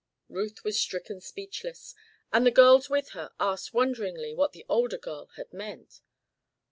Ruth was stricken speechless, and the girls with her asked wonderingly what the older girl had meant.